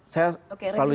saya selalu yakin